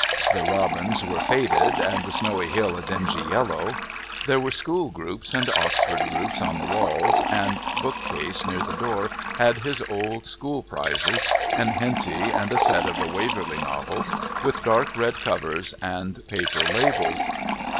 The robins were faded, and the snowy hill a dingy yellow. There were School groups and Oxford groups on the walls, and the book case near the door had his old school prizes and Henty and a set of the Waverley Novels with dark red covers and paper labels.